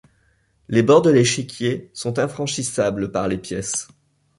Les bords de l'échiquier sont infranchissables par les pièces.